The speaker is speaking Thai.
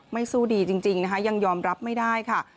ไม่สู้ดีจริงยังยอมรับไม่ได้ค่ะ